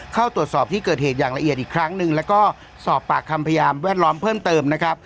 เข้าตรวจสอบที่เกิดเหตุอย่างละเอียดอีกครั้งหนึ่งแล้วก็สอบปากคำพยานแวดล้อมเพิ่มเติมนะครับ